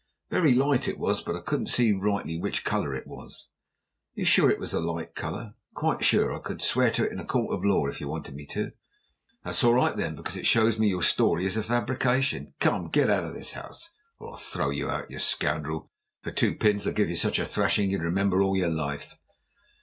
"Very light it was; but I couldn't see rightly which colour it was." "You're sure it was a light colour?" "Quite sure. I could swear to it in a court of law if you wanted me to." "That's all right then, because it shows me your story is a fabrication. Come, get out of this house or I'll throw you out. You scoundrel, for two pins I'd give you such a thrashing as you'd remember all your life!"